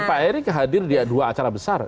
pak erick hadir di dua acara besar